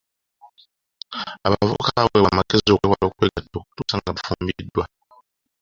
Abavubuka baweebwa amagezi okwewala okwegatta okutuusa nga bafumbiddwa.